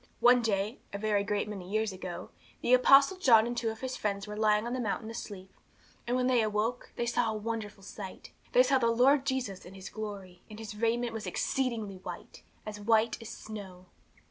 One day, a very great many years ago, the Apostle John and two of his friends were lying on the mountain asleep, and when they awoke, they saw a wonderful sight. They saw the Lord Jesus in His glory, and His raiment was exceeding white as white as snow.